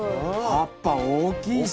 葉っぱ大きいし。